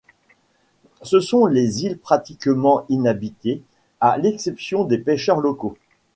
Ce sont des îles pratiquement inhabitées, à l'exception des pêcheurs locaux.